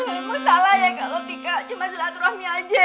emang salah ya kalo tika cuma zilat rohmi aja